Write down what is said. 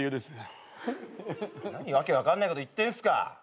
何訳分かんないこと言ってんすか。